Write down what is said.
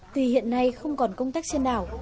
tùy hiện nay không còn công tác trên đảo